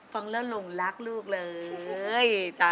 ฟังแล้วหลงรักลูกเลย